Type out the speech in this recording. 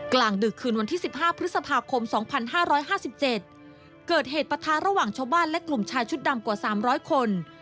กลางดึกคืนวันที่๑๕พฤษภาคม๒๕๕๗เกิดเหตุปะทะระหว่างชาวบ้านและกลุ่มชายชุดดำกว่า๓๐๐คน